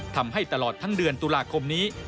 ทำให้ตลอดทั้งเดือนตุลาคมนี้